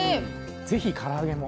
是非から揚げも。